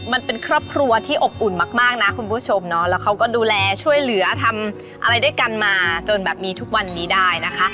มันเป็นครอบครัวที่อบอุ่นมากนะคุณผู้ชมเนาะแล้วเขาก็ดูแลช่วยเหลือทำอะไรด้วยกันมาจนแบบมีทุกวันนี้ได้นะคะ